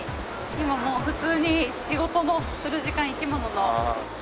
今もう普通に仕事をする時間生き物の。